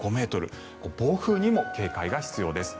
暴風にも警戒が必要です。